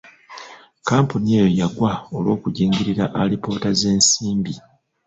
Kkampuni eyo yagwa olw'okujingirira alipoota z'ensimbi.